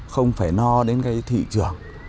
không phải no đến cái thị trường